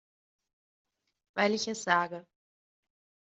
Weil ich es sage.